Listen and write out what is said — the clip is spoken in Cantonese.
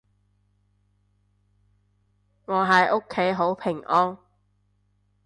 我喺屋企好平安